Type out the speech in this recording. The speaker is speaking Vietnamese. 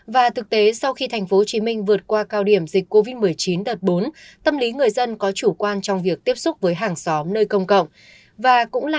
và thực tế sau khi tp hcm vượt qua cao điểm dịch covid một mươi chín đợt bốn tâm lý người dân có chủ quan trong việc tiếp xúc với hàng xóm nơi công cộng